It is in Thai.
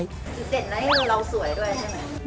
สิ่งเด่นนะให้เราสวยด้วยใช่ไหม